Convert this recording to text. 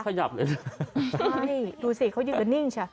ใช่ดูสิเขายืนก็นิ่งชอบ